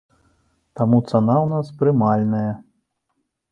Таму цана ў нас прымальная.